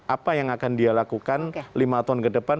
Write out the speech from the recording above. apa yang akan dia lakukan lima tahun ke depan